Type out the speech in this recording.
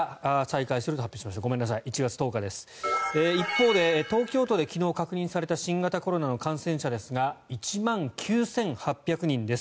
一方で東京都で昨日確認された新型コロナの感染者ですが１万９８００人です。